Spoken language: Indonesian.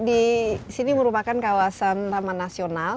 disini merupakan kawasan taman nasional